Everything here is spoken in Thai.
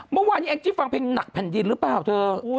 เมื่อวานนี้แองจี้ฟังเพลงหนักแผ่นดินหรือเปล่าเธอ